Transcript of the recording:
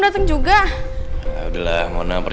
aku jadi singkir